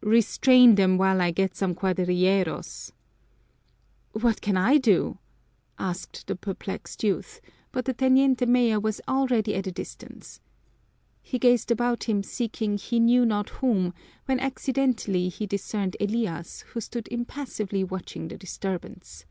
Restrain them while I get some cuadrilleros." "What can I do?" asked the perplexed youth, but the teniente mayor was already at a distance. He gazed about him seeking he knew not whom, when accidentally he discerned Elias, who stood impassively watching the disturbance.